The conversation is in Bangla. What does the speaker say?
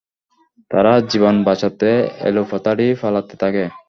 তারা জীবন বাঁচাতে এলোপাথাড়ি পালাতে থাকে।